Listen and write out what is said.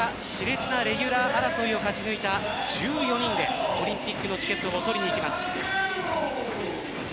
そこから熾烈なレギュラー争いを勝ち抜いた１４人でオリンピックのチケットを取りにいきます。